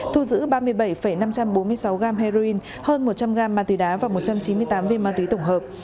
thu giữ ba mươi bảy năm trăm bốn mươi sáu gram heroin hơn một trăm linh gram ma túy đá và một trăm chín mươi tám viên ma túy tổng hợp